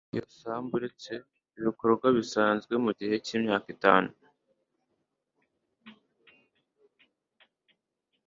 ntacyakorwa kuri iyo sambu uretse ibikorwa bisanzwe mu gihe cy'imyaka itanu